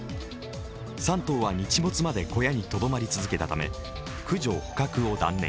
３頭は日没まで小屋にとどまり続けたため駆除・捕獲を断念。